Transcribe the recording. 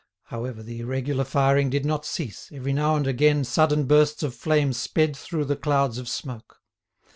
However, the irregular firing did not cease, every now and again sudden bursts of flame sped through the clouds of smoke.